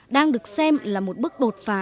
đang được xem là một bước đột phá